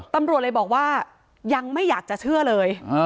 ตำรวจเลยบอกว่ายังไม่อยากจะเชื่อเลย